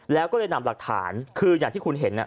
แล้วก็เลยนำหลักฐานคืออย่างที่คุณเห็น